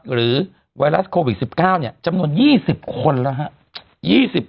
ไวรัสโควิด๑๙จำนวน๒๐คนแล้วครับ